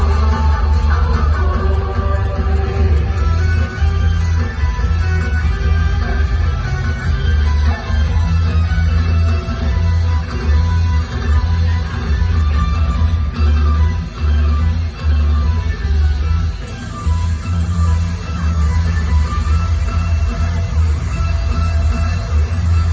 ว่าไม่รักฉันรักหัวใจของเธอแรกกว่าไม่มีแค่แล้ว